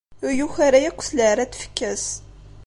Ur yuki ara akk s leɛra n tfekka-s.